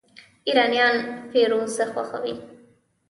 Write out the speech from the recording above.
ایرانیان فیروزه خوښوي.